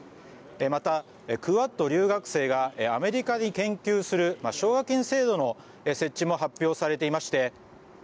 また、クアッド留学生がアメリカで研究する奨学金制度の設置も発表されていまして